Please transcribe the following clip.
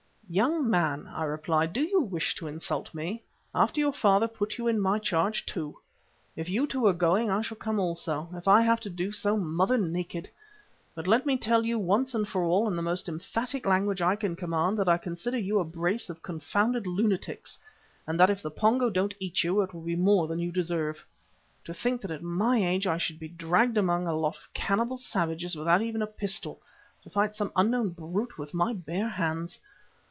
"Young man," I replied, "do you wish to insult me? After your father put you in my charge, too! If you two are going, I shall come also, if I have to do so mother naked. But let me tell you once and for all in the most emphatic language I can command, that I consider you a brace of confounded lunatics, and that if the Pongo don't eat you, it will be more than you deserve. To think that at my age I should be dragged among a lot of cannibal savages without even a pistol, to fight some unknown brute with my bare hands!